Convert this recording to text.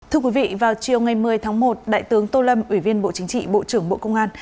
thưa quý vị vào chiều ngày một mươi tháng một đại tướng tô lâm ủy viên bộ chính trị bộ trưởng bộ công an